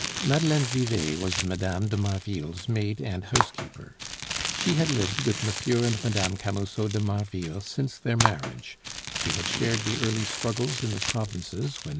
Madeleine Vivet was Mme. de Marville's maid and housekeeper. She had lived with M. and Mme. Camusot de Marville since their marriage; she had shared the early struggles in the provinces when M.